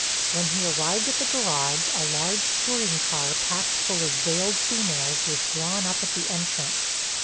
When he arrived at the garage a large touring car, packed full of veiled females, was drawn up at the entrance.